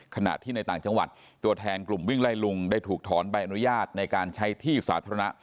ขณะที่ในต่างจังหวัดตัวแทนกลุ่มวิ่งไล่ลุงได้ถูกถอนใบอนุญาตในการใช้ที่สาธารณะ